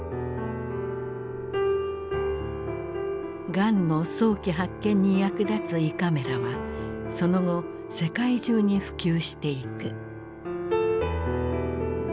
がんの早期発見に役立つ胃カメラはその後世界中に普及していく。